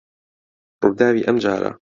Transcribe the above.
ڕووداوی ئەم جارە